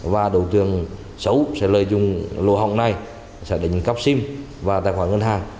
và đối tượng xấu sẽ lợi dụng lô hòng này sẽ đánh cắp sim và tài khoản ngân hàng